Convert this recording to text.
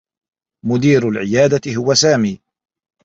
مدير العيادة هو سامي.